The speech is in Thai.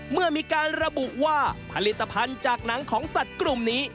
เมื่อมีการระบุว่าผลิตภัณฑ์จากหนังของสัตว์กลุ่มนี้